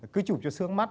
cứ chụp cho sướng mắt